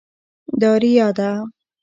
دا ریا ده.